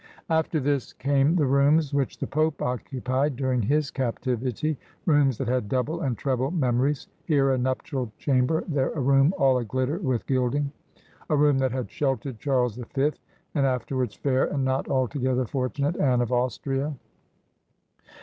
After this came the rooms which the Pope occupied during his captivity — rooms that had double and treble memories ; here a nuptial chamber, there a room all a glitter with gilding — a room that had sheltered Charles the Fifth, and afterwards fair, and not altogether fortunate, Anne of Austria.